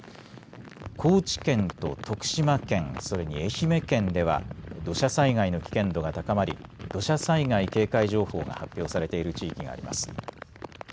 高知県と徳島県それに愛媛県では土砂災害の危険度が高まり土砂災害警戒情報が発表されている地域があります。